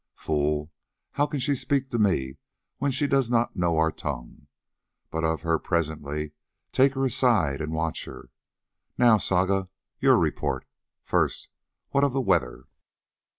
"Fool, how can she speak to me when she does not know our tongue? But of her presently; take her aside and watch her. Now, Saga, your report. First, what of the weather?"